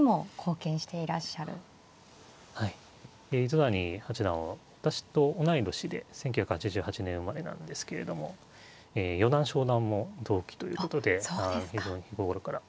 糸谷八段は私と同い年で１９８８年生まれなんですけれども四段昇段も同期ということで非常に日頃からお世話になっております。